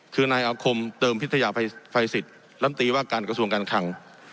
คือนายอาคมเติมพิทยาภัยสิทธิ์ลำตีว่าการกระทรวงการคลัง